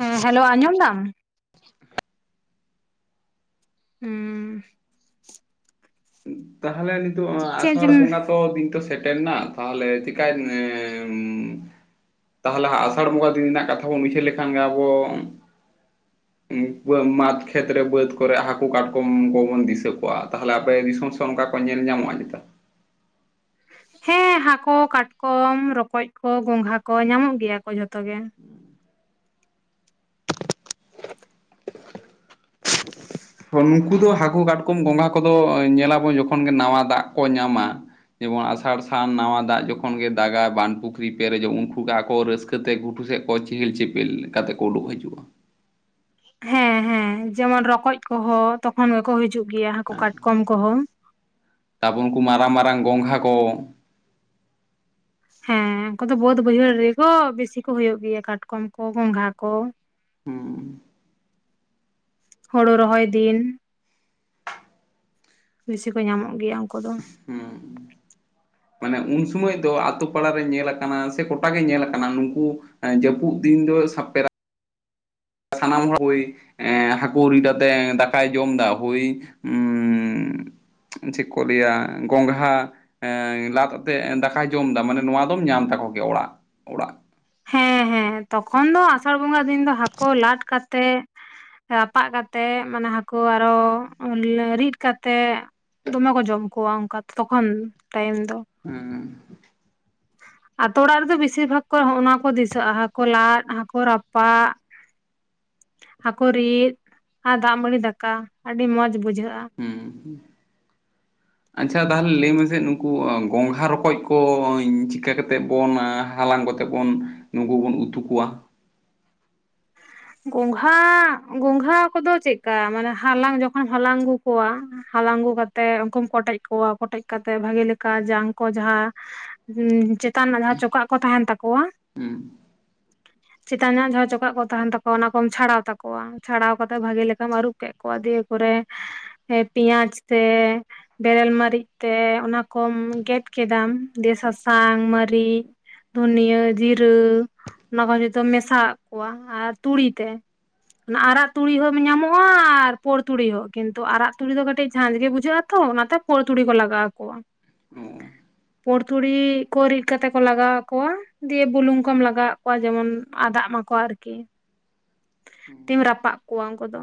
ᱦᱮᱸ ᱦᱮᱞᱳ ᱟᱸᱡᱚᱢ ᱫᱟᱢ ᱦᱩᱻ ᱛᱟᱦᱚᱞᱮ ᱱᱤᱛᱚᱜ ᱪᱮᱫ ᱟᱥᱟᱲ ᱵᱚᱸᱜᱟ ᱛᱚ ᱫᱤᱱ ᱛᱚ ᱥᱮᱴᱮᱨ ᱮᱱᱟ ᱛᱟᱦᱚᱞᱮ ᱪᱤᱠᱟᱧ ᱛᱟᱦᱚᱞᱮ ᱟᱥᱟᱲ ᱵᱚᱸᱜᱟ ᱫᱤᱱ ᱨᱮᱱᱟᱜ ᱠᱟᱛᱷᱟ ᱵᱚᱱ ᱩᱭᱦᱟᱹᱨ ᱞᱮᱠᱷᱟᱱ ᱜᱮ ᱟᱵᱚ ᱢᱩᱠᱩᱣᱟᱜ ᱢᱟᱫ ᱠᱷᱮᱛ ᱨᱮ ᱵᱟᱹᱫ ᱠᱚᱨᱮ ᱦᱟᱹᱠᱩ ᱠᱟᱴᱠᱚᱢ ᱠᱚᱵᱚᱱ ᱫᱤᱥᱟᱹ ᱠᱚᱣᱟ ᱛᱟᱦᱞᱮ ᱟᱯᱮ ᱫᱤᱥᱚᱢ ᱥᱮ ᱛᱚ ᱚᱱᱠᱟ ᱠᱚ ᱧᱮᱞ ᱧᱟᱢᱚᱜ-ᱟ ᱪᱮᱫᱟ ᱦᱮᱸ ᱦᱟᱹᱠᱩ ᱠᱟᱴᱠᱚᱢ ᱨᱚᱠᱚᱡ ᱠᱚ ᱜᱚᱝᱜᱷᱟ ᱠᱚ ᱧᱟᱢᱚᱜ ᱜᱮᱭᱟ ᱠᱚ ᱡᱷᱚᱛᱚ ᱜᱮ ᱱᱩᱠᱩ ᱫᱚ ᱦᱟᱹᱠᱩ ᱠᱟᱴᱠᱚᱢ ᱜᱚᱸᱜᱟ ᱠᱚᱫᱚ ᱧᱮᱞᱟᱵᱚᱱ ᱡᱚᱠᱷᱚᱱ ᱜᱮ ᱱᱟᱣᱟ ᱫᱟᱜ ᱠᱚ ᱧᱟᱢᱟ ᱡᱮᱢᱚᱱ ᱟᱥᱟᱲ ᱥᱟᱱ ᱱᱟᱣᱟ ᱫᱟᱜ ᱡᱚᱠᱷᱚᱱ ᱜᱮ ᱫᱟᱜᱟᱭ ᱵᱟᱱ ᱯᱩᱠᱷᱨᱤ ᱯᱮᱨᱮᱡᱚᱜ ᱩᱱᱠᱩ ᱜᱮ ᱟᱠᱚ ᱨᱟᱹᱥᱠᱟᱹ ᱪᱤᱠᱟᱹ ᱛᱮ ᱜᱷᱩᱴᱩ ᱥᱮᱫ ᱠᱚ ᱪᱮᱦᱮᱞ ᱪᱮᱯᱮᱞ ᱠᱟᱛᱮ ᱠᱚ ᱩᱰᱩᱠ ᱦᱤᱡᱩᱜ-ᱟ ᱦᱮᱸ ᱦᱮᱸ ᱡᱮᱢᱚᱱ ᱨᱚᱠᱚᱡ ᱠᱚᱦᱚᱸ ᱛᱚᱠᱷᱚᱱ ᱜᱮᱠᱚ ᱦᱤᱡᱩᱜ ᱜᱮᱭᱟ ᱦᱟᱹᱠᱩ ᱠᱟᱴᱠᱚᱢ ᱠᱚᱦᱚᱸ ᱛᱟᱵᱚᱱ ᱩᱱ ᱠᱚ ᱢᱟᱨᱟᱝ ᱢᱟᱨᱟᱝ ᱜᱚᱝᱜᱷᱟ ᱠᱚ ᱦᱮᱸ ᱩᱱᱠᱩ ᱫᱚ ᱵᱟᱹᱫᱽ ᱵᱟᱹᱭᱦᱟᱹᱲ ᱨᱮᱜᱚ ᱵᱮᱥᱤ ᱠᱚ ᱦᱩᱭᱩᱜ ᱜᱮᱭᱟ ᱠᱟᱴᱠᱚᱢ ᱠᱚ ᱜᱚᱸᱜᱷᱟ ᱠᱚ ᱦᱩ ᱦᱳᱲᱳ ᱨᱚᱦᱚᱭ ᱫᱤᱱ ᱵᱮᱥᱤ ᱠᱚ ᱧᱟᱢᱚᱜ ᱜᱮᱭᱟ ᱩᱱᱠᱩ ᱫᱚ ᱦᱩ ᱢᱟᱱᱮ ᱩᱱ ᱥᱚᱢᱚᱭ ᱫᱚ ᱟᱛᱳ ᱯᱟᱲᱟᱨ ᱨᱮ ᱧᱮᱞᱞᱟ ᱟᱠᱟᱱᱟ ᱥᱮ ᱜᱴᱟᱜ ᱜᱮ ᱧᱮᱞ ᱟᱠᱟᱱᱟ ᱱᱩᱠᱩ ᱮ ᱡᱟᱹᱯᱩᱫ ᱫᱤᱱ ᱫᱚ ᱥᱟᱯᱮᱨᱟ ᱥᱟᱱᱟᱢ ᱦᱟ ᱵᱩᱭ ᱮ ᱦᱟᱹᱠᱩ ᱨᱤᱫ ᱟᱛᱮ ᱫᱟᱠᱟᱭ ᱡᱚᱢ ᱫᱟ ᱦᱩᱭ ᱩᱻ ᱪᱤᱜ ᱠᱚ ᱞᱤᱭᱟ ᱜᱚᱝᱜᱷᱟ ᱞᱟᱫ ᱟᱛᱮᱜ ᱫᱟᱠᱟᱭ ᱡᱚᱢ ᱮᱫᱟ ᱢᱟᱱᱮ ᱱᱚᱣᱟ ᱫᱚᱢ ᱧᱟᱢ ᱛᱟᱠᱚ ᱜᱮ ᱚᱲᱟᱜ ᱚᱲᱟᱜ ᱦᱮᱸ ᱦᱮᱸ ᱛᱚᱠᱷᱚᱱ ᱫᱚ ᱟᱥᱟᱲ ᱵᱚᱸᱜᱟ ᱫᱤᱱ ᱫᱚ ᱦᱟᱹᱠᱩ ᱞᱟᱫ ᱠᱟᱛᱮᱜ ᱨᱟᱯᱟᱜ ᱠᱟᱛᱮᱜ ᱢᱟᱱᱮ ᱦᱟᱹᱠᱩ ᱟᱨᱚ ᱨᱤᱫ ᱠᱟᱛᱮᱜ ᱫᱚᱢᱮ ᱠᱚ ᱡᱚᱢ ᱠᱚᱣᱟ ᱚᱱᱠᱟᱛ ᱛᱚᱠᱷᱚᱱ ᱴᱟᱭᱤᱢ ᱫᱚ ᱦᱩ ᱟᱹᱛᱩ ᱚᱲᱟᱜ ᱨᱮᱫᱚ ᱵᱤᱥᱤᱨ ᱵᱷᱟᱜᱽ ᱠᱚ ᱚᱱᱟ ᱠᱚ ᱫᱤᱥᱟᱹᱜ-ᱟ ᱦᱟᱹᱠᱩ ᱞᱟᱫ ᱦᱟᱹᱠᱩ ᱨᱟᱯᱟᱜ ᱦᱟᱹᱠᱩ ᱨᱤᱫ ᱟᱨ ᱫᱟᱜ ᱢᱟᱹᱲᱤ ᱫᱟᱠᱟ ᱟᱹᱰᱤ ᱢᱚᱸᱡᱽ ᱵᱩᱡᱷᱟᱹᱜ-ᱟ ᱦᱩ ᱟᱪᱪᱷᱟ ᱛᱟᱦᱚᱞᱮ ᱞᱟᱹᱭ ᱢᱮᱥᱮ ᱱᱩᱠᱩ ᱜᱚᱝᱜᱷᱟ ᱨᱚᱠᱚᱡ ᱠᱚᱧ ᱪᱤᱠᱟᱹ ᱠᱟᱛᱮᱫ ᱵᱚᱱ ᱦᱟᱞᱟᱝ ᱠᱚᱛᱮ ᱵᱚᱱ ᱱᱩᱠᱩ ᱵᱩᱱ ᱩᱛᱩ ᱠᱚᱣᱟ ᱜᱚᱝᱜᱷᱟ ᱜᱚᱝᱜᱷᱟ ᱠᱚᱫᱚ ᱪᱮᱫᱠᱟ ᱢᱟᱱᱮ ᱦᱟᱞᱟᱝ ᱡᱚᱠᱷᱚᱱ ᱦᱟᱞᱟᱝ ᱟᱹᱜᱩ ᱠᱚᱣᱟ ᱦᱟᱞᱟᱝ ᱟᱹᱜᱩ ᱠᱟᱛᱮᱜ ᱩᱱᱠᱩᱢ ᱠᱚᱴᱮᱡ ᱠᱚᱣᱟ ᱠᱚᱴᱮᱡ ᱠᱟᱛᱮᱜ ᱵᱷᱟᱜᱤ ᱞᱮᱠᱟ ᱡᱟᱝ ᱠᱚ ᱡᱟᱦᱟ ᱩ ᱪᱮᱛᱟᱱ ᱱᱟᱫᱷᱟ ᱡᱟᱦᱟᱸ ᱪᱚᱠᱟᱜ ᱠᱚ ᱛᱟᱦᱮᱱ ᱛᱟᱠᱚᱣᱟ ᱦᱩᱸ ᱪᱮᱛᱟᱱ ᱱᱟᱜ ᱡᱟᱦᱟ ᱪᱚᱠᱟᱜ ᱠᱚ ᱛᱟᱦᱮᱱ ᱛᱟᱠ ᱠᱚ ᱚᱱᱟ ᱠᱚᱢ ᱪᱷᱟᱲᱟᱣ ᱛᱟᱠᱚᱣᱟ ᱪᱷᱟᱲᱟᱣ ᱠᱟᱛᱮ ᱵᱷᱟᱜᱤ ᱞᱮᱠᱟᱢ ᱟᱹᱨᱩᱵ ᱠᱮᱫ ᱠᱚᱣᱟ ᱫᱤᱭᱮ ᱠᱚᱨᱮ ᱦᱮ ᱯᱮᱭᱟᱡᱽ ᱛᱮ ᱵᱮᱨᱮᱞ ᱢᱟᱹᱨᱤᱜ ᱛᱮ ᱚᱱᱟ ᱠᱚᱢ ᱜᱮᱫ ᱠᱮᱫᱟᱢ ᱫᱮᱭᱮ ᱥᱟᱥᱟᱝ ᱢᱟᱹᱨᱤᱜ ᱫᱷᱩᱱᱭᱟᱹ ᱡᱤᱨᱟᱹ ᱚᱱᱟ ᱠᱚ ᱡᱚᱛᱚ ᱢᱮᱥᱟᱣᱟᱜ ᱠᱚᱣᱟ ᱟᱨ ᱛᱩᱲᱤᱛᱮ ᱚᱱᱟ ᱟᱨᱟᱜ ᱛᱩᱲᱤ ᱦᱚᱸ ᱧᱟᱢᱚᱜᱼᱟ ᱟᱨ ᱯᱳᱨ ᱛᱩᱲᱤ ᱦᱚᱸ ᱠᱤᱱᱛᱩ ᱟᱨᱟᱜ ᱛᱩᱲᱤ ᱫᱚ ᱠᱟᱹᱴᱤᱡ ᱡᱷᱟᱸᱡ ᱜᱮ ᱵᱩᱡᱷᱟᱹᱜᱼᱟ ᱛᱚ ᱚᱱᱟᱛᱮ ᱯᱳᱲ ᱛᱩᱲᱤ ᱠᱚ ᱞᱟᱜᱟᱣ ᱟᱠᱚᱣᱟ ᱚ ᱯᱳᱲ ᱛᱩᱲᱤ ᱠᱚ ᱨᱤᱫ ᱠᱟᱛᱮ ᱠᱚ ᱞᱟᱜᱟᱣ ᱟᱠᱚᱣᱟ ᱫᱤᱭᱮ ᱵᱩᱞᱩᱝ ᱠᱚᱢ ᱞᱟᱜᱟᱣᱟᱫ ᱠᱚᱣᱟ ᱡᱮᱢᱚᱱ ᱟᱫᱟᱜ ᱢᱟᱠᱚ ᱟᱨᱠᱤ ᱦᱩᱸ ᱛᱤᱢ ᱨᱟᱯᱟᱜ ᱠᱚᱣᱟ ᱩᱱᱠᱩ ᱫᱚ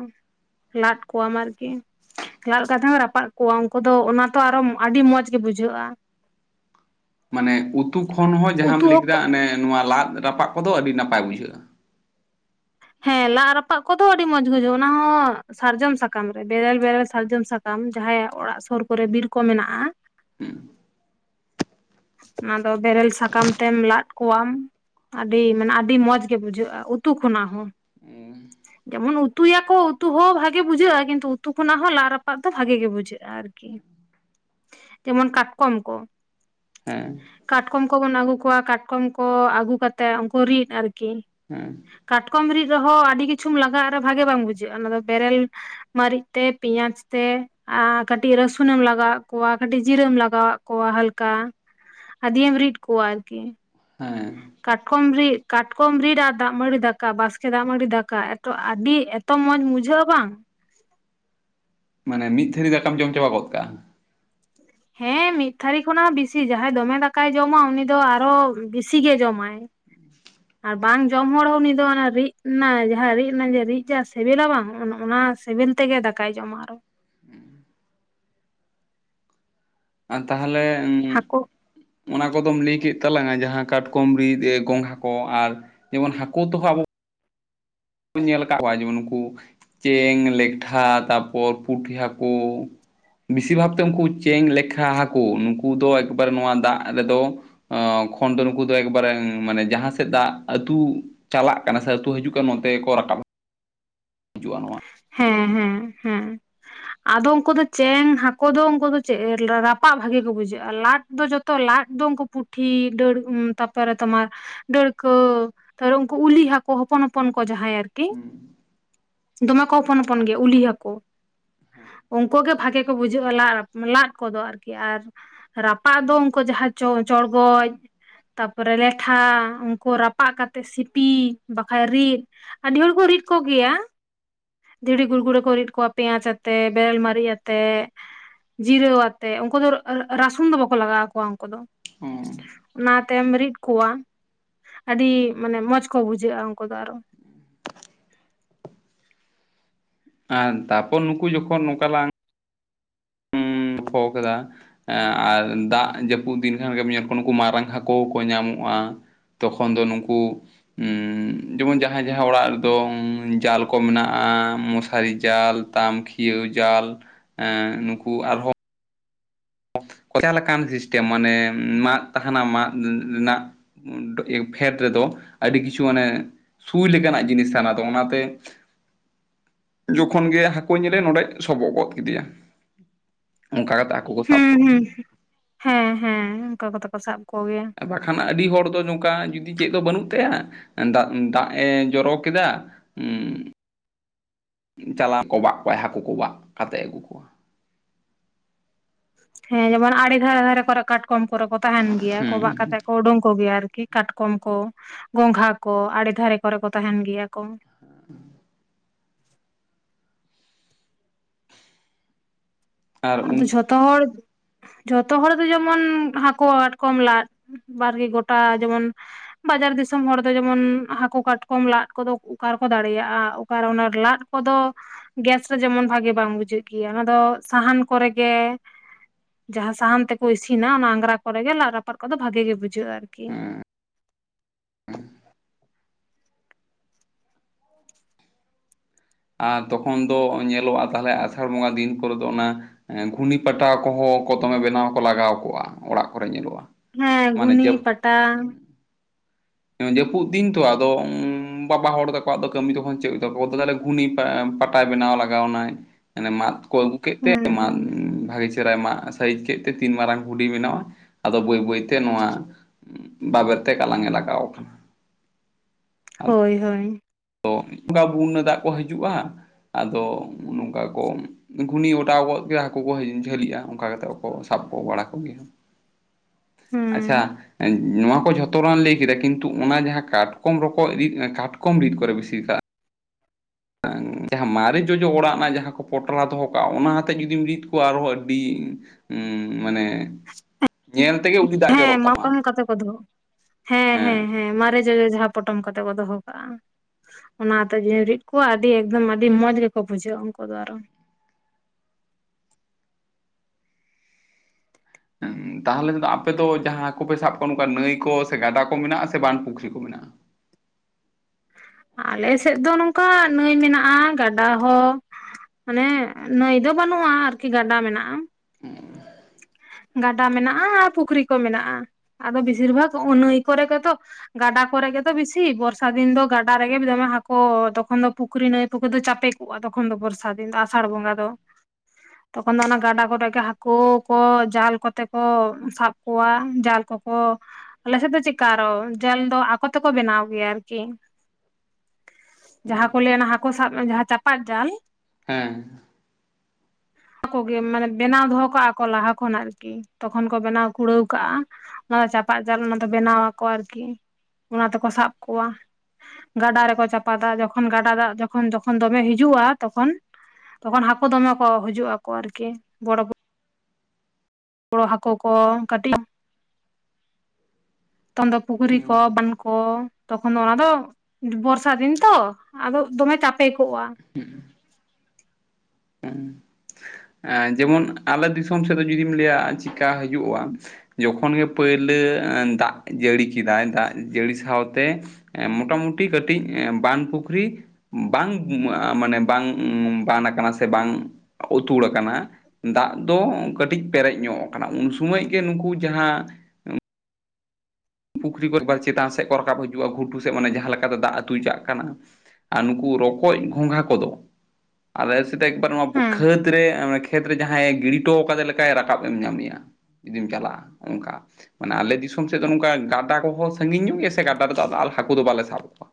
ᱞᱟᱫ ᱠᱚᱣᱟᱢ ᱟᱨᱠᱤ ᱞᱟᱫ ᱠᱟᱛᱮ ᱨᱟᱯᱟᱜ ᱠᱚᱣᱟ ᱩᱱᱠᱩ ᱫᱚ ᱚᱱᱟᱛᱚ ᱟᱨᱚ ᱟᱹᱰᱤ ᱢᱚᱸᱡᱽ ᱜᱮ ᱵᱩᱡᱷᱟᱹᱜᱼᱟ ᱢᱟᱱᱮ ᱩᱛᱩ ᱠᱷᱚᱱ ᱦᱚᱸ ᱩᱛᱩ ᱡᱟᱦᱟᱸᱟᱢ ᱞᱟᱹᱭ ᱠᱮᱫᱟ ᱦᱚᱸᱠᱚ ᱚᱱᱮ ᱱᱚᱣᱟ ᱞᱟᱫ ᱨᱟᱯᱟᱜ ᱠᱚᱫᱚ ᱟᱹᱰᱤ ᱱᱟᱯᱟᱭ ᱵᱩᱡᱷᱟᱹᱜᱼᱟ ᱦᱮᱸ ᱞᱟᱜ ᱨᱟᱯᱟᱜ ᱠᱚᱫᱚ ᱟᱹᱰᱤ ᱢᱚᱸᱡᱽ ᱜᱩᱡᱩᱜᱼᱟ ᱚᱱᱟ ᱦᱚᱸ ᱥᱟᱨᱡᱚᱢ ᱥᱟᱠᱟᱢ ᱨᱮ ᱵᱮᱨᱮᱞ ᱵᱮᱨᱮᱞ ᱥᱟᱨᱡᱚᱢ ᱥᱟᱠᱟᱢ ᱡᱟᱦᱟᱸᱭᱟᱜ ᱚᱲᱟᱜ ᱥᱩᱨ ᱠᱚᱨᱮ ᱵᱤᱨ ᱠᱚ ᱢᱮᱱᱟᱜᱼᱟ ᱦᱩᱸ ᱚᱱᱟ ᱫᱚ ᱵᱮᱨᱮᱞ ᱥᱟᱠᱟᱢ ᱛᱮᱢ ᱞᱟᱫ ᱠᱚᱣᱟᱢ ᱟᱹᱰᱤ ᱢᱟᱱᱮ ᱟᱹᱰᱤ ᱢᱚᱡᱽ ᱜᱮ ᱵᱩᱡᱷᱟᱹᱜᱼᱟ ᱩᱛᱩ ᱠᱷᱚᱱᱟᱜ ᱦᱚᱸ ᱡᱮᱢᱚᱱ ᱩᱛᱩᱭᱟᱠᱚ ᱩᱛᱩ ᱦᱚᱸ ᱵᱷᱟᱜᱮ ᱵᱩᱡᱷᱟᱹᱜᱼᱟ ᱠᱤᱱᱛᱩ ᱩᱛᱩ ᱠᱷᱚᱱᱟᱜ ᱦᱚᱸ ᱞᱟ ᱨᱟᱯᱟᱜ ᱫᱚ ᱵᱷᱟᱜᱮ ᱜᱮ ᱵᱩᱡᱷᱟᱹ ᱟᱨᱠᱤ ᱡᱮᱢᱚᱱ ᱠᱟᱴᱠᱚᱢ ᱠᱚ ᱦᱮᱸ ᱠᱟᱴᱠᱚᱢ ᱠᱚᱵᱚᱱ ᱟᱹᱜᱩ ᱠᱚᱣᱟ ᱠᱟᱴᱠᱚᱢ ᱠᱚ ᱟᱹᱜᱩ ᱠᱟᱛᱮᱜ ᱩᱱᱠᱩ ᱨᱤᱫ ᱟᱨᱠᱤ ᱦᱮᱸ ᱠᱟᱴᱠᱚᱢ ᱨᱤᱫ ᱨᱮᱦᱚᱸ ᱟᱹᱰᱤ ᱠᱤᱪᱷᱩᱢ ᱞᱟᱜᱟᱜ ᱨᱮ ᱵᱷᱟᱜᱮ ᱵᱟᱝ ᱵᱩᱡᱷᱟᱹᱜᱼᱟ ᱚᱱᱟ ᱫᱚ ᱵᱮᱨᱮᱞ ᱢᱟᱹᱨᱤᱪ ᱛᱮ ᱯᱮᱭᱟᱡᱽ ᱛᱮ ᱟᱨ ᱠᱟᱴᱤᱡ ᱨᱟᱹᱨᱟᱥᱚᱱᱢ ᱞᱟᱜᱟᱣᱟᱫ ᱠᱚᱣᱟ ᱠᱟ. ᱴᱤᱡ ᱡᱤᱨᱟᱹᱢ ᱞᱟᱜᱟᱣᱟᱫ ᱠᱚᱣᱟ ᱦᱟᱞᱠᱟ ᱟᱫᱤᱭᱮᱢ ᱨᱤᱫ ᱠᱚᱣᱟ ᱟᱨᱠᱤ ᱦᱮᱸ ᱠᱟᱴᱠᱚᱢ ᱨᱤᱫ ᱠᱟᱴᱠᱚᱢ ᱨᱤᱫ ᱟᱨ ᱫᱟᱜ ᱢᱟᱹᱲᱤ ᱫᱟᱠᱟ ᱵᱟᱥᱠᱮ ᱫᱟᱜ ᱢᱟᱹᱲᱤ ᱫᱟᱠᱟ ᱮᱛᱚ ᱟᱹᱰᱤ ᱛᱚ ᱢᱚᱸᱡᱽ ᱵᱩᱡᱷᱟᱹᱜᱼᱟ ᱵᱟᱝ ᱢᱟᱱᱮ ᱢᱤᱫ ᱛᱷᱟᱹᱨᱤ ᱫᱟᱠᱟᱢ ᱡᱚᱢ ᱪᱟᱵᱟ ᱜᱚᱫ ᱠᱟᱜᱼᱟ ᱦᱮᱸ ᱢᱤᱫ ᱛᱷᱟᱹᱨᱤ ᱠᱷᱚᱱᱟᱜ ᱵᱤᱥᱤ ᱡᱟᱦᱟᱸᱭ ᱫᱚᱢᱮ ᱫᱟᱠᱟᱭ ᱡᱚᱢᱟ ᱩᱱᱤ ᱫᱚ ᱟᱨᱚ ᱵᱤᱥᱤ ᱜᱮ ᱡᱚᱢᱟᱭ ᱟᱨ ᱵᱟᱝ ᱡᱚᱢ ᱦᱚᱲ ᱦᱚᱸ ᱱᱤᱛ ᱚᱱᱟ ᱨᱤᱫ ᱨᱮᱱᱟᱜ ᱡᱟᱦᱟᱸ ᱨᱤᱫ ᱨᱮᱱᱟᱜ ᱨᱤᱫ ᱡᱟ ᱥᱮ ᱥᱤᱵᱤᱞᱟ ᱵᱟᱝ ᱚᱱᱟ ᱥᱤᱵᱤᱞ ᱛᱮᱜᱮ ᱫᱟᱠᱟᱭ ᱡᱚᱢᱟ ᱟᱨᱚ ᱟᱨ ᱛᱟᱦᱚᱞᱮ ᱦᱟᱠᱳ ᱚᱱᱟ ᱠᱚᱫᱚᱢ ᱞᱟᱹᱭ ᱠᱮᱫ ᱛᱟᱞᱟᱝᱟ ᱡᱟᱦᱟᱸ ᱠᱟᱴᱠᱚᱢ ᱨᱤᱫ ᱜᱚᱝᱜᱷᱟ ᱠᱚ ᱟᱨ ᱡᱮᱢᱚᱱ ᱦᱟᱠᱳ ᱛᱚ ᱦᱟᱜ ᱟᱵᱚ ᱧᱮᱞ ᱠᱟᱜ ᱠᱚᱣᱟ ᱡᱮᱢᱚᱱ ᱱᱩᱠᱩ ᱪᱮᱝ ᱞᱮᱴᱷᱟ ᱛᱟᱨᱯᱚᱨ ᱯᱩᱴᱷᱤ ᱦᱟᱠᱳ ᱵᱮᱥᱤ ᱵᱷᱟᱵ ᱛᱮ ᱩᱱᱠᱩ ᱪᱮᱝ ᱞᱮᱠᱷᱟ ᱦᱟᱠᱳ ᱱᱩᱠᱩ ᱫᱚ ᱮᱠᱵᱟᱨᱮ ᱱᱚᱣᱟ ᱫᱟᱜ ᱨᱮᱫᱚ ᱠᱷᱚᱱ ᱫᱚ ᱱᱩᱠᱩ ᱫᱚ ᱮᱠᱵᱟᱨᱮ ᱢᱟᱱᱮ ᱡᱟᱦᱟᱸ ᱥᱮᱫ ᱫᱟᱜ ᱟᱹᱛᱩ ᱪᱟᱞᱟᱜ ᱠᱟᱱᱟ ᱥᱮ ᱟᱹᱛᱩ ᱦᱤᱡᱩᱜ ᱠᱟᱱᱟ ᱱᱚᱛᱮ ᱜᱮᱠᱚ ᱨᱟᱠᱟᱵ ᱦᱤᱡᱩᱜᱼᱟ ᱱᱚᱣᱟ ᱦᱮᱸ ᱦᱮᱸ ᱦᱮᱸ ᱟᱫᱚ ᱩᱱᱠᱩ ᱫᱚ ᱪᱮᱝ ᱦᱟᱠᱳ ᱫᱚ ᱩᱱᱠᱩ ᱫᱚ ᱨᱟᱯᱟᱜ ᱵᱷᱟᱜᱮ ᱠᱚ ᱵᱩᱡᱷᱟᱹᱜᱼᱟ ᱞᱟᱫ ᱫᱚ ᱡᱚᱛᱚ ᱛᱚ ᱞᱟᱫ ᱫᱚ ᱩᱱᱠᱩ ᱯᱩᱴᱷᱤ ᱰᱟ. ᱲᱠᱟ. ᱛᱟᱨᱯᱚᱨᱮ ᱛᱚᱢᱟᱨ ᱰᱟᱹᱲᱠᱟᱹ ᱛᱮ ᱩᱱᱠᱩ ᱩᱞᱤ ᱦᱟᱹᱠᱩ ᱦᱚᱯᱚᱱ ᱦᱚᱯᱚᱱ ᱠᱚ ᱡᱟᱦᱟᱸᱭ ᱟᱨᱠᱤ ᱫᱚᱢᱮ ᱠᱚ ᱦᱚᱯᱚᱱ ᱦᱚᱯᱚᱱ ᱜᱮᱭᱟ ᱩᱞᱤ ᱦᱟᱠᱳ ᱦᱮᱸ [inaudible] ᱩᱱᱠᱩ ᱜᱮ ᱵᱷᱟᱜᱮ ᱠᱚ ᱵᱩᱡᱷᱟᱹᱜᱼᱟ ᱞᱟ ᱞᱟᱫ ᱠᱚᱫᱚ ᱟᱨᱠᱤ ᱟᱨ ᱨᱟᱯᱟᱜ ᱫᱚ ᱩᱱᱠᱩ ᱡᱟᱦᱟᱸ ᱪᱚᱲᱜᱚᱡ ᱛᱟᱯᱚᱨᱮ ᱞᱮᱴᱷᱟ ᱩᱱᱠᱩ ᱨᱟᱯᱟᱜ ᱠᱟᱛᱮᱫ ᱥᱤᱯᱤ ᱵᱟᱠᱷᱟᱱ ᱨᱤᱫ ᱟᱹᱰᱤ ᱦᱚᱲ ᱠᱚ ᱨᱤᱫ ᱠᱚᱜᱮᱭᱟ ᱫᱷᱤᱲᱤ ᱜᱩᱲᱜᱩᱲ ᱨᱮᱠᱚ ᱨᱤᱫ ᱠᱚᱣᱟ ᱯᱮᱸᱭᱟᱪ ᱟᱛᱮᱜ ᱵᱮᱨᱮᱞ ᱢᱟᱨᱤᱡ ᱟᱛᱮᱜ ᱡᱤᱨᱟᱹᱣ ᱟᱛᱮ ᱩᱱᱠᱩ ᱫᱚ ᱨᱟᱹᱥᱩᱱ ᱫᱚ ᱵᱟᱠᱚ ᱞᱟᱜᱟᱣ ᱟᱠᱚᱣᱟ ᱩᱱᱠᱩ ᱫᱚ ᱦᱮᱸ ᱚᱱᱟᱛᱮᱢ ᱨᱤᱫ ᱠᱚᱣᱟ ᱟᱹᱰᱤ ᱢᱟᱱᱮ ᱢᱚᱸᱡᱽ ᱠᱚ ᱵᱩᱡᱷᱟᱹᱜᱼᱟ ᱩᱱᱠᱩ ᱫᱚ ᱟᱨᱦᱚ ᱟᱨ ᱛᱟᱯᱚᱨ ᱱᱩᱠᱩ ᱡᱚᱠᱷᱚᱱ ᱱᱚᱝᱠᱟ ᱞᱟᱝ ᱠᱷᱚ ᱠᱮᱫᱟ ᱮᱸᱜ ᱟᱨ ᱫᱟᱜ ᱡᱟᱹᱯᱩᱫ ᱫᱤᱱ ᱠᱷᱟᱱ ᱜᱮᱢ ᱧᱮᱞ ᱠᱚᱣᱟ ᱱᱩᱠᱩ ᱢᱟᱨᱟᱝ ᱦᱟᱹᱠᱩ ᱠᱚ ᱧᱟᱢᱚᱜ-ᱟ᱾ ᱛᱚᱠᱷᱚᱱ ᱫᱚ ᱱᱩᱠᱩ ᱩᱸᱜ ᱡᱮᱢᱚᱱ ᱡᱟᱦᱟᱸᱭ ᱡᱟᱦᱟᱸ ᱚᱲᱟᱜ ᱨᱮᱫᱚ ᱡᱟᱞ ᱠᱚ ᱢᱮᱱᱟᱜ-ᱟ ᱢᱚᱥᱟᱨᱤ ᱡᱟᱞ ᱛᱟᱢ ᱠᱷᱤᱭᱟᱹ ᱡᱟᱞ ᱮᱸᱜ ᱱᱩᱠᱩ ᱟᱨᱦᱚᱸ ᱠᱷᱚᱪᱟ ᱞᱮᱠᱟᱱ ᱥᱤᱥᱴᱮᱢ ᱢᱟᱱᱮ ᱢᱟᱫ ᱛᱟᱦᱮᱱᱟ ᱢᱟᱫ ᱨᱮᱱᱟᱜ ᱯᱷᱮᱰ ᱨᱮᱫᱚ ᱟᱹᱰᱤ ᱠᱤᱪᱷᱩ ᱟᱱᱮ ᱥᱩᱭ ᱞᱮᱠᱟᱱᱟᱜ ᱡᱤᱱᱤᱥ ᱥᱟᱱᱟ ᱠᱚ ᱚᱱᱟ ᱛᱮ ᱡᱚᱠᱷᱚᱱ ᱜᱮ ᱦᱟᱹᱠᱩ ᱧᱮᱞᱮ ᱱᱚᱰᱮ ᱥᱚᱵᱚᱜ ᱜᱚᱫ ᱠᱮᱫᱮᱭᱟ ᱚᱱᱠᱟ ᱠᱟᱛᱮ ᱦᱟᱹᱠᱩ ᱠᱚ ᱥᱟᱵ ᱠᱚᱣᱟ ᱦᱩᱸ-ᱦᱩᱸ ᱦᱮᱸᱻᱦᱮᱸᱻ ᱚᱱᱠᱟ ᱠᱚᱛᱮ ᱠᱚ ᱥᱟᱵ ᱠᱚ ᱜᱮᱭᱟ᱾ ᱵᱟᱠᱷᱟᱱ ᱟᱹᱰᱤ ᱦᱚᱲ ᱫᱚ ᱱᱚᱝᱠᱟ ᱡᱩᱫᱤ ᱪᱮᱫ ᱫᱚ ᱵᱟᱹᱱᱩᱜ ᱛᱟᱭᱟ ᱫᱟᱜ ᱮ ᱡᱚᱨᱚ ᱠᱮᱫᱟ ᱪᱮᱫ ᱦᱚᱸ ᱵᱟᱝ ᱟᱸᱡᱚᱢᱚᱜ ᱠᱟᱱᱟ ᱾ ᱪᱟᱞᱟᱣ ᱠᱚᱵᱟᱜ ᱦᱟᱹᱠᱩ ᱠᱩᱠᱩᱵᱟᱜ ᱠᱟᱛᱮᱫ ᱮ ᱟᱹᱜᱩ ᱠᱚᱣᱟ ᱦᱮᱸ ᱡᱮᱢᱚᱱ ᱟᱲᱮ ᱫᱷᱟᱨᱮ-ᱫᱷᱟᱨᱮ ᱠᱚᱨᱮ ᱠᱟᱴᱠᱚᱢ ᱠᱚᱨᱮ ᱠᱚ ᱛᱟᱦᱮᱱ ᱜᱮᱭᱟ ᱠᱚᱵᱟᱜ ᱦᱩᱸ ᱠᱟᱛᱮᱫ ᱠᱚ ᱩᱰᱩᱝ ᱠᱚ ᱜᱮᱭᱟ ᱟᱨᱠᱤ ᱠᱟᱴᱠᱚᱢ ᱠᱚ ᱜᱚᱝᱜᱷᱟ ᱠᱚ ᱟᱲᱮ ᱫᱷᱟᱨᱮ ᱠᱚᱨᱮ ᱠᱚ ᱛᱟᱦᱮᱱ ᱜᱮᱭᱟ ᱠᱚ ᱪᱮᱫ ᱦᱚᱸ ᱵᱟᱝ ᱟᱸᱡᱚᱢᱚᱜ ᱠᱟᱱᱟ ᱟᱨ ᱩᱱ ᱟᱫᱚ ᱡᱷᱚᱛᱚ ᱦᱚᱲ- ᱡᱷᱚᱛᱚ ᱦᱚᱲ ᱫᱚ ᱡᱮᱢᱚᱱ ᱦᱟᱹᱠᱩ, ᱠᱚᱴᱠᱚᱢ ᱞᱟᱫ ᱵᱟᱨᱜᱮ ᱜᱚᱴᱟ ᱡᱮᱢᱚᱱ ᱵᱟᱡᱟᱨ ᱫᱤᱥᱚᱢ ᱦᱚᱲ ᱫᱚ ᱡᱮᱢᱚᱱ ᱦᱟᱹᱠᱩ, ᱠᱟᱴᱠᱚᱢ ᱞᱟᱫ ᱠᱚᱫᱚ ᱚᱠᱟ ᱨᱮᱠᱚ ᱫᱟᱲᱮᱭᱟᱜ-ᱟ ᱚᱠᱟ ᱨᱮ ᱚᱱᱟ ᱞᱟᱫ ᱠᱚᱫᱚ ᱜᱮᱥ ᱨᱮ ᱡᱮᱢᱚᱱ ᱵᱷᱟᱹᱜᱤ ᱵᱟᱝ ᱵᱩᱡᱷᱟᱹᱜ ᱜᱮᱭᱟ ᱚᱱᱟ ᱫᱚ ᱥᱟᱦᱟᱱ ᱠᱚᱨᱮ ᱜᱮ ᱡᱟᱦᱟᱸ ᱥᱟᱦᱟᱱ ᱛᱮᱠᱚ ᱤᱥᱤᱱᱟ ᱚᱱᱟ ᱟᱝᱜᱨᱟ ᱠᱚᱨᱮ ᱜᱮ ᱞᱟᱜ ᱨᱟᱯᱟᱜ ᱠᱚᱫᱚ ᱵᱷᱟᱜᱤ ᱜᱮ ᱵᱩᱡ ᱡᱷᱟᱹᱜ-ᱟ ᱟᱨᱠᱤ ᱪᱮᱫ ᱦᱚᱸ ᱵᱟᱝ ᱟᱸᱡᱚᱢᱚᱜ ᱠᱟᱱᱟ ᱟᱨ ᱛᱚᱠᱷᱚᱱ ᱫᱚ ᱧᱮᱞᱚᱜ-ᱟ ᱛᱟᱦᱚᱞᱮ ᱟᱥᱟᱲ ᱵᱚᱸᱜᱟ ᱫᱤᱱ ᱠᱚᱨᱮ ᱫᱚ ᱚᱱᱟ ᱜᱷᱩᱱᱤ ᱯᱟᱴᱟᱣ ᱠᱚᱦᱚᱸ ᱠᱚ ᱫᱚᱢᱮ ᱵᱮᱱᱟᱣ ᱠᱚ ᱞᱟᱜᱟᱣ ᱠᱚᱜ-ᱟ ᱚᱲᱟᱜ ᱠᱚᱨᱮ ᱧᱮᱞᱚᱜ-ᱟ᱾ ᱦᱮᱸᱻ ᱜᱷᱩᱱᱤ ᱯᱟᱴᱟ ᱦᱮᱸ ᱡᱟᱹᱯᱩᱫ ᱫᱤᱱ ᱛᱚ ᱟᱫᱚ ᱵᱟᱵᱟ ᱦᱚᱲ ᱛᱟᱠᱚᱣᱟᱜ ᱫᱚ ᱠᱟᱹᱢᱤ ᱛᱚᱠᱷᱚᱱ ᱪᱟᱹᱜ ᱛᱟᱠᱚᱣᱟ ᱛᱟᱦᱚᱞᱮ ᱜᱷᱩᱱᱤ ᱯᱟ, ᱯᱟᱴᱟᱭ ᱵᱮᱱᱟᱣ ᱞᱟᱜᱟᱣᱱᱟᱭ ᱮᱱᱮ ᱢᱟᱫ ᱠᱚ ᱟᱹᱜᱩ ᱠᱮᱫ ᱛᱮ ᱦᱩᱸ ᱢᱟᱫ ᱦᱩᱸ ᱵᱷᱟᱜᱮ ᱴᱷᱤᱠ ᱛᱮᱨᱟᱭ ᱢᱟᱜᱽ ᱥᱟᱭᱤᱡ ᱠᱮᱫ ᱛᱮ ᱛᱤᱱ ᱢᱟᱨᱟᱝ ᱦᱩᱰᱤ ᱵᱮᱱᱟᱣᱟ ᱟᱫᱚ ᱵᱟᱹᱭ-ᱵᱟᱹᱭ ᱛᱮ ᱱᱚᱣᱟ ᱵᱟᱵᱮᱨ ᱛᱮ ᱜᱟᱞᱟᱝ ᱮ ᱞᱟᱜᱟᱣ ᱟᱠᱟᱱᱟ᱾ ᱦᱚᱭ-ᱦᱚᱭ ᱛᱚ ᱚᱝᱜᱟ ᱵᱩᱱᱩ ᱱᱟᱜ ᱫᱟᱜ ᱠᱚ ᱦᱤᱡᱩᱜ-ᱟ ᱟᱫᱚ ᱱᱚᱝᱠᱟ ᱠᱚ ᱜᱷᱩᱱᱤ ᱚᱰᱟᱣ ᱜᱚᱫ ᱠᱮᱫᱟ ᱦᱟᱹᱠᱩ ᱠᱚ ᱡᱷᱟᱹᱞᱤᱜ-ᱟ ᱚᱱᱠᱟ ᱠᱟᱛᱮᱜ ᱠᱚ ᱥᱟᱵ ᱠᱚ ᱵᱟᱲᱟ ᱠᱚ ᱜᱮᱭᱟ᱾ ᱪᱮᱫ ᱦᱚᱸ ᱵᱟᱝ ᱟᱸᱡᱚᱢᱚᱜ ᱠᱟᱱᱟ ᱟᱪᱷᱟ ᱮᱱᱫ ᱱᱚᱣᱟ ᱠᱚ ᱡᱷᱚᱛᱚ ᱨᱟᱱ ᱞᱟᱹᱭ ᱠᱮᱫᱟ ᱠᱤᱱᱛᱩ ᱚᱱᱟ ᱡᱟᱦᱟᱸ ᱠᱟᱴᱠᱚᱢ ᱨᱚᱠᱚᱡ ᱨᱤᱫ, ᱠᱟᱴᱠᱚᱢ ᱨᱤᱫ ᱠᱚᱨᱮ ᱵᱤᱥᱤᱨ ᱠᱟᱜ ᱡᱟᱦᱟᱸ ᱢᱟᱨᱮ ᱡᱚᱡᱚ ᱚᱲᱟᱜ ᱨᱮᱱᱟᱜ ᱡᱟᱦᱟᱸ ᱠᱚ ᱯᱚᱴᱨᱟ ᱫᱚᱦᱚ ᱠᱟᱜ-ᱟ, ᱚᱱᱟ ᱦᱚᱛᱮᱡ ᱡᱩᱫᱤᱢ ᱨᱤᱫ ᱠᱚᱣᱟ ᱟᱨᱦᱚᱸ ᱟᱹᱰᱤ ᱩᱸᱜ ᱢᱟᱱᱮ ᱧᱮᱞ ᱛᱮᱜᱮ ᱩᱞᱤ ᱫᱟᱜ ᱦᱮᱸᱻ ᱡᱚᱨᱚᱜ ᱛᱟᱢᱟ ᱢᱟᱯᱟᱝ ᱠᱟᱛᱮ ᱠᱚ ᱫᱚᱦᱚ ᱦᱮᱸᱻ ᱦᱮᱸᱻ, ᱦᱮᱸ ᱦᱮᱸᱻ ᱢᱟᱨᱮ ᱡᱚᱡᱚ ᱡᱟᱦᱟᱸ ᱯᱚᱴᱚᱢ ᱠᱟᱛᱮ ᱵᱚ ᱫᱚᱦᱚ ᱠᱟᱜ-ᱟ᱾ ᱚᱱᱟ ᱛᱮ ᱡᱩᱫᱤᱢ ᱨᱤᱫ ᱠᱚᱣᱟ ᱟᱹᱰᱤ ᱮᱠᱫᱚᱢ ᱟᱹᱰᱤ ᱢᱚᱸᱡᱽ ᱜᱮᱠᱚ ᱵᱩᱡᱷᱟᱹᱜ-ᱟ ᱩᱱᱠᱩ ᱫᱚ ᱟᱨᱦᱚᱸ ᱮᱢ ᱛᱟᱦᱚᱞᱮ ᱫᱚ ᱟᱯᱮ ᱫᱚ ᱡᱟᱦᱟᱸ ᱦᱟᱹᱠᱩ ᱯᱮ ᱥᱟᱵ ᱠᱚᱣᱟ ᱱᱚᱝᱠᱟ ᱱᱟᱹᱭ ᱠᱚ ᱥᱮ ᱜᱟᱰᱟ ᱠᱚ ᱢᱮᱱᱟᱜ-ᱟ ᱥᱮ ᱵᱟᱸᱫᱽ ᱯᱩᱠᱷᱨᱤ ᱠᱚ ᱢᱮᱱᱟᱜ-ᱟ? ᱟᱞᱮ ᱥᱮᱫ ᱫᱚ ᱱᱚᱝᱠᱟ ᱱᱟᱹᱭ ᱢᱮᱱᱟᱜ-ᱟ ᱜᱟᱰᱟ ᱦᱚᱸ ᱢᱟᱱᱮ ᱱᱟᱹᱭ ᱫᱚ ᱵᱟᱹᱱᱩᱜ-ᱟ ᱟᱨᱠᱤ ᱜᱟᱰᱟ ᱢᱮᱱᱟᱜ-ᱟ᱾ ᱚᱸ ᱜᱟᱰᱟ ᱢᱮᱱᱟᱜ-ᱟ ᱟᱨ ᱯᱩᱠᱷᱨᱤ ᱠᱚ ᱢᱮᱱᱟᱜ-ᱟ ᱟᱫᱚ ᱵᱮᱥᱤᱨ ᱵᱷᱟᱜᱽ ᱩᱸ ᱱᱟᱹᱭ ᱠᱚᱨᱮ ᱜᱮᱛᱚ ᱜᱟᱰᱟ ᱠᱚᱨᱮ ᱜᱮᱛᱚ ᱵᱮᱥᱤ ᱵᱚᱨᱥᱟ ᱫᱤᱱ ᱫᱚ ᱜᱟᱰᱟ ᱨᱮᱜᱮ ᱫᱚᱢᱮ ᱦᱟᱠᱩ ᱛᱚᱠᱷᱚᱱ ᱫᱚ ᱯᱩᱠᱷᱨᱤ ᱱᱟᱹᱭ ᱯᱩᱠᱩ ᱫᱚ ᱪᱟᱯᱮ ᱠᱚᱜ-ᱟ ᱛᱚᱠᱷᱚᱱ ᱫᱚ ᱵᱚᱨᱥᱟ ᱫᱤᱱ ᱫᱚ ᱟᱥᱟᱲ ᱵᱚᱸᱜᱟ ᱫᱚ ᱛᱠᱷᱚᱱ ᱫᱚ ᱚᱱᱟ ᱜᱟᱰᱟ ᱠᱚᱨᱮ ᱜᱮ ᱦᱟᱠᱩ ᱠᱚ ᱡᱟᱞ ᱠᱚᱛᱮ ᱠᱚ ᱥᱟᱵ ᱠᱚᱣᱟ ᱡᱟᱞ ᱠᱚᱠᱚ ᱟᱞᱮ ᱥᱮᱫ ᱫᱚ ᱪᱮᱠᱟ ᱟᱨᱚ ᱡᱟᱞ ᱫᱚ ᱟᱠᱚ ᱛᱮᱠᱚ ᱵᱮᱱᱟᱣ ᱜᱮᱭᱟ ᱟᱨᱠᱤ ᱡᱟᱦᱟᱸ ᱠᱚ ᱞᱟᱹᱭᱟ ᱚᱱᱟ ᱦᱟᱹᱠᱩ ᱥᱟᱵ ᱡᱟᱦᱟᱸ ᱪᱟᱯᱟᱫ ᱡᱟᱞ ᱦᱮᱸ ᱾ ᱟᱠᱚᱜᱮ ᱢᱟᱱᱮ ᱵᱮᱱᱟᱣ ᱫᱚᱦᱚ ᱠᱟᱜᱼᱟ ᱼᱼ ᱠᱚ ᱞᱟᱦᱟ ᱠᱷᱚᱱ ᱟᱨᱠᱤ ᱛᱚᱠᱷᱚᱱ ᱠᱚ ᱵᱮᱱᱟᱣ ᱠᱩᱲᱟᱹᱣ ᱠᱟᱜᱼᱟᱼᱼ ᱚᱱᱟ ᱪᱟᱯᱟᱫ ᱡᱟᱞ ᱚᱱᱟ ᱫᱚ ᱵᱮᱱᱟᱣ ᱟᱠᱚ ᱟᱨᱠᱤ ᱚᱱᱟ ᱛᱮᱠᱚ ᱥᱟᱵ ᱠᱚᱣᱟ ᱾ ᱜᱟᱰᱟ ᱨᱮᱠᱚ ᱪᱟᱯᱟᱫᱟ ᱡᱚᱠᱷᱚᱱ ᱜᱟᱰᱟ ᱫᱟᱜ ᱡᱚᱠᱷᱚᱱ ᱡᱚᱠᱷᱚᱱ ᱫᱚᱢᱮ ᱦᱤᱡᱩᱜᱼᱟ ᱛᱚᱠᱷᱚᱱᱼᱼ ᱛᱚᱠᱷᱚᱱ ᱦᱟᱹᱠᱩ ᱫᱚᱢᱮ ᱠᱚ ᱦᱤᱡᱩᱜᱼᱟ ᱠᱚ ᱟᱨᱠᱤ ᱵᱚᱲᱚ ᱼᱼ ᱦᱟᱹᱠᱩ ᱠᱚ ᱠᱟᱹᱴᱤᱡᱼᱼ ᱱᱤᱛᱚᱸᱱ ᱫᱚ ᱯᱩᱠᱷᱨᱤ ᱦᱩᱸ ᱠᱚ ᱵᱟᱱ ᱠᱚ ᱾ ᱛᱚᱠᱷᱚᱱ ᱫᱚ ᱚᱱᱟ ᱫᱚ ᱵᱚᱨᱥᱟ ᱫᱤᱱ ᱛᱚ, ᱟᱫᱚ ᱫᱚᱢᱮ ᱪᱟᱯᱮ ᱠᱚᱜᱼᱟ ᱾ ᱦᱩᱸᱜᱩᱸ ᱾ ᱦᱩᱸ ᱩᱸ ᱡᱮᱢᱚᱱ ᱟᱞᱮ ᱫᱤᱥᱚᱢ ᱥᱮᱫ ᱫᱚ ᱡᱩᱫᱤᱢ ᱞᱟᱹᱭᱟ ᱪᱤᱠᱟ ᱦᱤᱡᱩᱜᱼᱟ? ᱡᱚᱠᱷᱚᱱ ᱜᱮ ᱯᱟᱹᱭᱞᱟᱹ ᱫᱟᱜ ᱡᱟᱹᱲᱤ ᱠᱮᱫᱟᱭ ᱫᱟᱜ ᱡᱟᱹᱲᱤ ᱥᱟᱶᱛᱮᱼᱼ ᱮᱸᱻ ᱢᱚᱴᱟᱢᱩᱴᱤ ᱠᱟᱹᱴᱤᱡ ᱮᱸ ᱵᱟᱱ ᱯᱩᱠᱷᱨᱤᱼᱼ ᱵᱟᱝ [unintelligible] ᱢᱟᱱᱮ ᱵᱟᱝ ᱵᱟᱱ ᱟᱠᱟᱱᱟ ᱥᱮ ᱵᱟᱝ ᱩᱛᱩᱲ ᱟᱠᱟᱱᱟ ᱾ ᱫᱟᱜ ᱫᱚ ᱠᱟᱹᱴᱤᱡ ᱯᱮᱨᱮᱡ ᱧᱚᱜ ᱠᱟᱱᱟ ᱩᱱ ᱥᱚᱢᱚᱭ ᱜᱮ ᱱᱩᱠᱩ ᱡᱟᱦᱟᱸᱼᱼ ᱯᱩᱠᱷᱨᱤ ᱠᱚ ᱮᱵᱟᱨ ᱪᱮᱛᱟᱱ ᱥᱮᱫ ᱠᱚ ᱨᱟᱠᱟᱵ ᱦᱤᱡᱩᱜᱼᱟ ᱜᱷᱩᱴᱩ ᱥᱮᱫ ᱢᱟᱱᱮ ᱡᱟᱦᱟᱸ ᱞᱮᱠᱟᱛᱮ ᱫᱟᱜ ᱟᱛᱩ ᱪᱟᱜ ᱠᱟᱱᱟ ᱾ ᱟᱨ ᱱᱩᱠᱩ ᱨᱚᱠᱚᱡ ᱜᱷᱚᱸᱜᱷᱟ ᱠᱚᱫᱚ ᱟᱞᱮ ᱥᱮᱫ ᱫᱚ ᱮᱠᱵᱟᱨ ᱱᱚᱣᱟ ᱦᱮᱸ ᱠᱷᱟᱹᱛ ᱨᱮᱼᱼ ᱠᱷᱮᱛᱨᱮ ᱡᱟᱦᱟᱸᱭᱮ ᱜᱤᱰᱤ ᱦᱚᱴᱚ ᱟᱠᱟᱫᱮ ᱞᱮᱠᱟᱭ ᱨᱟᱠᱟᱵ ᱮᱢ ᱧᱟᱢᱮᱭᱟ ᱾ ᱡᱩᱫᱤᱢ ᱪᱟᱞᱟᱜᱼᱟ ᱚᱱᱠᱟ ᱢᱟᱱᱮ ᱟᱞᱮ ᱫᱤᱥᱚᱢ ᱥᱮᱫ ᱫᱚ ᱱᱚᱝᱠᱟ ᱼᱼ ᱜᱟᱰᱟ ᱠᱚᱦᱚᱸ ᱥᱟᱜᱤᱧ ᱧᱚᱜ ᱜᱮᱭᱟ ᱥᱮ ᱜᱟᱰᱟ ᱨᱮᱫᱚ ᱦᱟᱹᱠᱩ ᱫᱚ ᱵᱟᱞᱮ ᱥᱟᱵ ᱠᱚᱣᱟ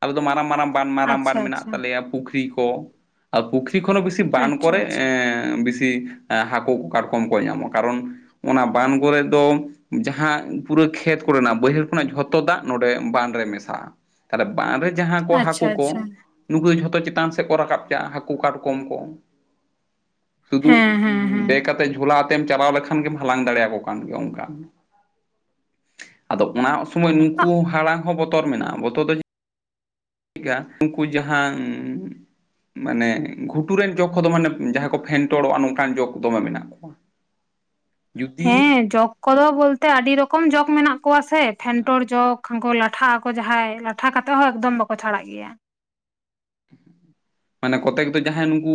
ᱟᱞᱮ ᱫᱚ ᱢᱟᱨᱟᱝ ᱼᱼ ᱢᱟᱨᱟᱝ ᱵᱟᱱ ᱟᱨᱟᱝ ᱵᱟᱱ ᱟᱪᱪᱷᱟ ᱢᱮᱱᱟᱜ ᱟᱪᱪᱷᱟ ᱛᱟᱞᱮᱭᱟ ᱯᱩᱠᱷᱨᱤ ᱠᱚ ᱼᱼ [unintelligible] ᱛᱠᱷᱚᱱ ᱫᱚ ᱵᱤᱥᱤ ᱵᱟᱱ ᱟᱪᱪᱷᱟ ᱠᱚᱨᱮ ᱮᱸᱻ ᱵᱤᱥᱤ ᱼᱼ ᱦᱟᱹᱠᱩ ᱠᱚ ᱠᱟᱴᱠᱚᱢ ᱠᱚ ᱧᱟᱢᱚᱜᱼᱟ ᱠᱟᱨᱚᱱ ᱚᱱᱟ ᱵᱟᱱ ᱠᱚᱨᱮ ᱫᱚ ᱡᱟᱦᱟᱸ ᱯᱩᱨᱟᱹ ᱠᱷᱮᱛᱼᱼ [unintelligible] ᱵᱟᱹᱭᱦᱟᱹᱲ ᱠᱷᱚᱱᱟᱜ ᱡᱷᱚᱛᱚ ᱫᱟᱜ ᱱᱚᱰᱮ ᱵᱟᱱ ᱨᱮ ᱢᱮᱥᱟᱜᱼᱟ ᱛᱟᱦᱚᱞᱮ ᱵᱟᱱ ᱨᱮᱼᱼ ᱡᱟᱦᱟᱸ ᱠᱚ ᱦᱟᱹᱠᱳ ᱟᱪᱪᱷᱟ ᱠᱚ ᱟᱪᱪᱷᱟ ᱼᱼ ᱱᱩᱠᱩ ᱫᱚ ᱡᱷᱚᱛᱚ ᱪᱮᱛᱟᱱ ᱥᱮᱫ ᱠᱚ ᱨᱟᱠᱟᱵ ᱪᱟᱼᱟ ᱦᱟᱹᱠᱩ ᱠᱟᱴᱠᱚᱢ ᱠᱚ ᱥᱩᱫᱩᱼᱼ ᱦᱮᱸ ᱦᱮᱸ ᱦᱮᱸ ᱵᱮᱜ ᱟᱛᱮᱫ ᱡᱷᱟᱞᱟ ᱟᱛᱮᱢ ᱪᱟᱞᱟᱣ ᱞᱮᱠᱷᱟᱱ ᱜᱮᱢ ᱦᱟᱞᱟᱝ ᱫᱟᱲᱮᱭᱟᱠᱚ ᱠᱟᱱ ᱜᱮᱭᱟ ᱚᱱᱠᱟᱱᱼᱼ ᱟᱫᱚ ᱚᱱᱟ ᱥᱚᱢᱚᱭ ᱱᱩᱠᱩ ᱦᱟᱲᱟᱝ ᱦᱚᱸ ᱵᱚᱛᱚᱨ ᱢᱮᱱᱟᱜᱼᱟ ᱵᱚᱛᱚᱨ ᱫᱚᱼᱼ [unintelligible] [unintelligible] ᱩᱱᱠᱩ ᱡᱟᱦᱟᱸᱼᱼ ᱢᱟᱱᱮ ᱜᱷᱩᱴᱩ ᱨᱮᱱ ᱡᱚᱜᱽ ᱠᱚᱫᱚ ᱢᱟᱱᱮ ᱡᱟᱦᱟᱸᱭ ᱠᱚ ᱯᱷᱮᱱᱴᱚᱲᱚᱜᱼᱟ ᱱᱚᱝᱠᱟᱱ ᱡᱚᱜᱽ ᱫᱚᱢᱮ ᱢᱮᱱᱟᱜ ᱠᱚᱣᱟ ᱾ ᱦᱮᱸ ᱡᱚᱠ ᱠᱚᱫᱚ ᱵᱚᱞᱛᱮ ᱟᱹᱰᱤ ᱨᱚᱠᱚᱢ ᱡᱚᱠ ᱢᱮᱱᱟᱜ ᱠᱚᱣᱟ ᱥᱮ ᱯᱷᱮᱱᱴᱚᱲ ᱡᱚᱠᱼᱼ ᱠᱷᱟᱱ ᱠᱚ ᱞᱟᱴᱷᱟᱜ ᱟᱠᱚ ᱡᱟᱦᱟᱸᱭ ᱞᱟᱴᱷᱟ ᱠᱟᱛᱮᱫ ᱦᱚᱸ ᱮᱠᱫᱚᱢ ᱵᱟᱠᱚ ᱪᱷᱟᱲᱟᱜ ᱜᱮᱭᱟ ᱾ ᱢᱟᱱᱮ ᱠᱚᱛᱮᱠ ᱫᱚ ᱡᱟᱦᱟᱸᱭ ᱱᱩᱠᱩ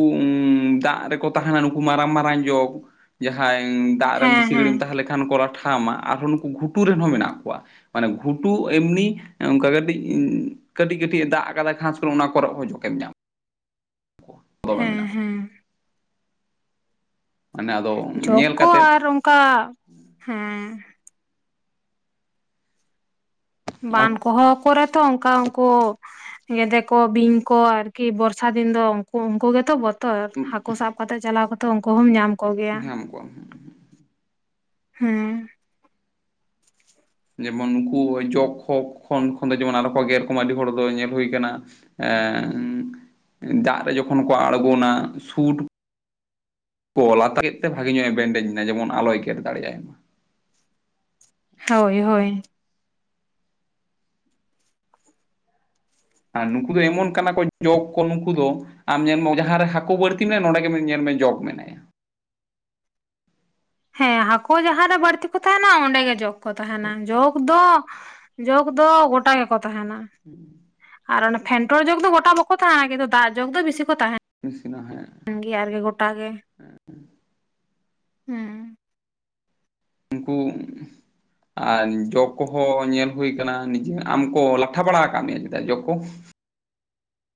ᱫᱟᱜ ᱨᱮᱠᱚ ᱛᱟᱦᱮᱱᱟ ᱱᱩᱠᱩ ᱢᱟᱨᱟᱝ ᱢᱟᱨᱟᱝ ᱡᱚᱠ ᱾ ᱡᱟᱦᱟᱸᱭ ᱫᱟᱜ ᱨᱮ ᱦᱮᱸ ᱵᱮᱥᱤ ᱦᱮᱸ ᱜᱷᱟᱹᱲᱤᱢ ᱛᱟᱦᱮᱸ ᱞᱮᱠᱷᱟᱱ ᱠᱚ ᱞᱟᱴᱷᱟ ᱟᱢᱟ, ᱟᱨᱦᱚᱸ ᱱᱩᱠᱩ ᱜᱷᱩᱴᱩ ᱨᱮᱱ ᱦᱚᱸ ᱢᱮᱱᱟᱜ ᱠᱚᱣᱟ ᱾ ᱢᱟᱱᱮ ᱜᱷᱩᱴᱩ ᱮᱢᱱᱤ ᱚᱱᱠᱟ ᱠᱟᱹᱴᱤᱡ ᱠᱟᱹᱴᱤᱡ ᱠᱟᱹᱴᱤᱡ ᱮ ᱫᱟᱜ ᱟᱠᱟᱫᱟᱭ ᱜᱷᱟᱥ ᱠᱚᱨᱮ ᱚᱱᱟᱼᱼ ᱠᱚᱨᱚᱜ ᱦᱚᱸ ᱡᱚᱠᱮᱢ ᱧᱟᱢᱟ ᱾ [unintelligible] ᱦᱮᱸ ᱦᱮᱸ ᱾ ᱢᱟᱱᱮ ᱟᱫᱚ ᱡᱚᱠ ᱧᱮᱞ ᱠᱚ ᱠᱟᱛᱮᱫ ᱟᱨ ᱚᱱᱠᱟ ᱦᱮᱸ ᱼᱼ ᱟᱨ ᱵᱟᱱ ᱠᱚᱦᱚ ᱠᱚᱨᱮ ᱛᱚ ᱚᱱᱠᱟ ᱩᱱᱠᱩᱼᱼ ᱧᱮᱰᱮ ᱠᱚ ᱵᱤᱧ ᱠᱚ ᱟᱨᱠᱤ ᱵᱚᱨᱥᱟ ᱫᱤᱱ ᱫᱚ ᱩᱱᱠᱩ ᱩᱱᱠᱩ ᱜᱮᱛᱚ ᱵᱚᱼᱼ ᱛᱚᱨ ᱦᱟᱹᱠᱩ ᱥᱟᱵ ᱠᱟᱛᱮᱜ ᱪᱟᱞᱟᱣ ᱠᱟᱛᱮᱜ ᱩᱱᱠᱩ ᱦᱚᱸᱢ ᱧᱟᱢ ᱠᱚ ᱜᱮᱭᱟ ᱾ ᱧᱟᱢ ᱠᱚᱣᱟᱢ ᱦᱮᱸ ᱾ ᱡᱮᱢᱚᱱ ᱩᱱᱠᱩ ᱡᱚᱜᱽ ᱠᱚ ᱠᱷᱚᱱ ᱠᱷᱚᱱ ᱫᱚ ᱡᱮᱢᱚᱱ ᱟᱞᱚ ᱠᱚ ᱜᱮᱨ ᱠᱚᱢᱟ ᱟᱹᱰᱤ ᱦᱚᱲ ᱫᱚ ᱧᱮᱞ ᱦᱩᱭ ᱠᱟᱱᱟᱼᱼ ᱮᱸᱻ ᱫᱟᱜ ᱨᱮ ᱡᱚᱠᱷᱚᱱ ᱠᱚ ᱟᱬᱜᱚᱱᱟ ᱥᱩᱴᱼᱼ [unintelligible] ᱛᱮ ᱵᱷᱟᱜᱮ ᱧᱚᱜ ᱮ ᱵᱮᱱᱰᱮᱡ ᱮᱱᱟ ᱡᱮᱢᱚᱱ ᱟᱞᱚᱭ ᱜᱮᱨ ᱫᱟᱲᱮᱭᱟᱭ ᱢᱟ ᱾ ᱦᱳᱭ ᱦᱳᱭ᱾ ᱟᱨ ᱱᱩᱠᱩ ᱫᱚ ᱮᱢᱚᱱ ᱠᱟᱱᱟ ᱠᱚ ᱡᱚᱜᱽ ᱠᱚ ᱱᱩᱠᱩ ᱫᱚ, ᱟᱢ ᱧᱮᱢᱚ ᱡᱟᱦᱟᱸ ᱨᱮ ᱦᱟᱹᱠᱩ ᱵᱟᱹᱲᱛᱤ ᱢᱮ ᱱᱚᱰᱮ ᱜᱮ ᱧᱮᱞ ᱢᱮ ᱡᱚᱜᱽ ᱢᱮᱱᱟᱭᱟ᱾ ᱦᱮᱸ ᱦᱟᱹᱠᱩ ᱡᱟᱦᱟ ᱨᱮ ᱵᱟᱹᱲᱛᱤ ᱠᱚ ᱛᱟᱦᱮᱱᱟ ᱚᱸᱰᱮ ᱜᱮ ᱡᱚᱜ ᱠᱚ ᱛᱟᱦᱮᱱᱟ᱾ ᱡᱚᱜ ᱫᱚ ᱡᱚᱜ ᱫᱚ ᱜᱚᱴᱟ ᱜᱮᱠᱚ ᱛᱟᱦᱮᱱᱟ᱾ [inaudible] ᱟᱨ ᱚᱱᱟ ᱯᱷᱮᱱᱴᱚᱞ ᱡᱚᱜᱽ ᱫᱚ ᱜᱚᱴᱟ ᱵᱟᱠᱚ ᱛᱟᱦᱮᱸᱱᱟ ᱠᱤᱱᱛᱩ ᱫᱟᱜ ᱡᱚᱜᱽ ᱫᱚ ᱵᱤᱥᱤ ᱠᱚ ᱛᱟᱦᱮᱸᱱᱟ᱾ [unintelligible] ᱠᱟᱱ ᱜᱮᱭᱟ ᱟᱨ ᱜᱮ ᱜᱚᱴᱟ ᱜᱮ ᱦᱩᱸ᱾ ᱩᱱᱠᱩ ᱟᱨ ᱡᱚᱜᱽ ᱠᱚᱦᱚᱸ ᱧᱮᱞ ᱦᱩᱭ ᱠᱟᱱᱟ ᱱᱤᱡᱮ, ᱟᱢ ᱠᱚ ᱞᱟᱴᱷᱟ ᱵᱟᱲᱟ ᱟᱠᱟᱫ ᱢᱮᱭᱟ ᱪᱮᱫᱟᱜ ᱡᱚᱜᱽ ᱠᱚ?